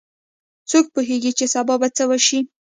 څوک پوهیږي چې سبا به څه وشي